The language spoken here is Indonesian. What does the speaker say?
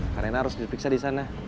karena harus dipiksa disana